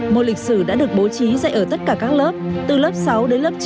môn lịch sử đã được bố trí dạy ở tất cả các lớp từ lớp sáu đến lớp chín